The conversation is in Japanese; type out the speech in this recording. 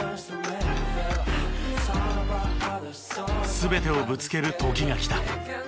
全てをぶつける時が来た。